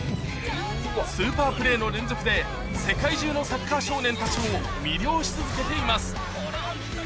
スーパープレーの連続で、世界中のサッカー少年たちを魅了し続けています。